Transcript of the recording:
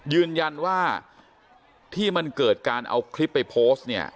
ยืนยันว่าที่มันเกิดการเอาคลิปไปโพสต์เนี่ย